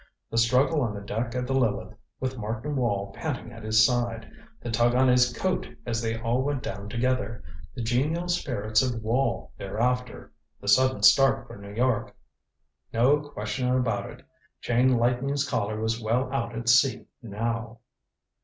The struggle on the deck of the Lileth, with Martin Wall panting at his side! The tug on his coat as they all went down together. The genial spirits of Wall thereafter. The sudden start for New York. No question about it Chain Lightning's Collar was well out at sea now.